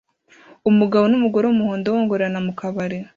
Umugabo numugore wumuhondo bongorerana mukabari